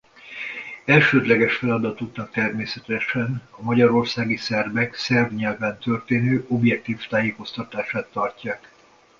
Elsődleges feladatuknak természetesen a magyarországi szerbek szerb nyelven történő objektív tájékoztatását tartják.